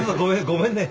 ごめんね。